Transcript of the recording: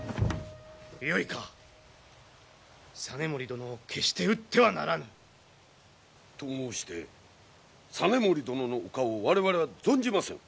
よいか実盛殿を決して討ってはならぬ！と申して実盛殿のお顔を我々は存じませぬ。